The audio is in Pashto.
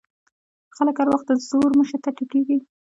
خلک هر وخت د زور مخې ته ټیټېږي.